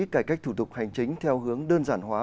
cải cách thủ tục hành chính theo hướng đơn giản hóa